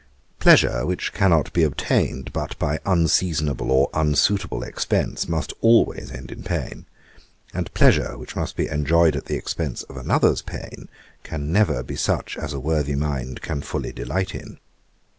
Pleasure, which cannot be obtained but by unseasonable or unsuitable expence, must always end in pain; and pleasure, which must be enjoyed at the expence of another's pain, can never be such as a worthy mind can fully delight in.